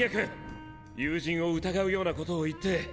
友人を疑うようなことを言って。